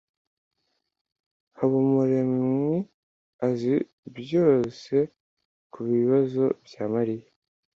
Habumuremwi azi byose kubibazo bya Mariya